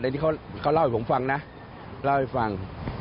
อันนี้เขาเล่าให้ผมฟังนะเล่าให้ฟัง